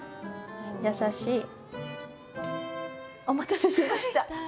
優しい。お待たせしました。